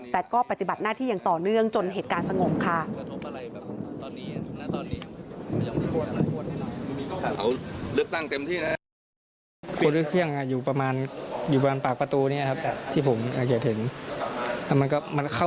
แต่ก็ปฏิบัติหน้าที่อย่างต่อเนื่องจนเหตุการณ์สงบค่ะ